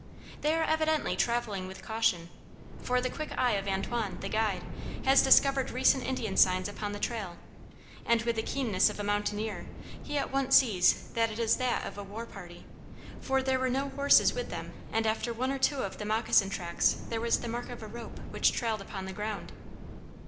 They are evidently traveling with caution, for the quick eye of Antoine, the guide, has discovered recent Indian signs upon the trail, and with the keenness of a mountaineer he at once sees that it is that of a war party, for there were no horses with them and after one or two of the moccasin tracks there was the mark of a rope which trailed upon the ground.